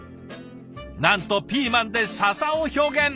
なんとピーマンで笹を表現。